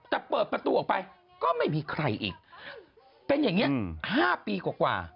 แต่เปิดประตูออกไปก็ไม่มีใครอีกเป็นอย่างนี้๕ปีกว่า